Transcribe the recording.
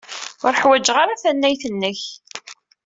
Ur ḥwajeɣ ara tannayt-nnek.